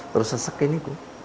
terus sesek ini